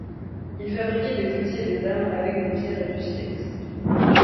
Ils fabriquaient des outils et des armes avec des pierres et du silex.